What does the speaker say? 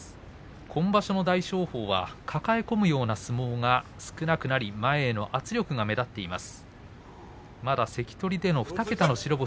今場所も大翔鵬は抱え込むような相撲が少なくなり前への圧力が目立っています。